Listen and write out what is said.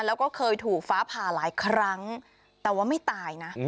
แล้วก็เคยถูกฟ้าผ่าหลายครั้งแต่ว่าไม่ตายนะ